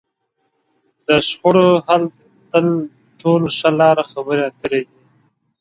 د شخړو د حل تر ټولو ښه لار؛ خبرې اترې دي.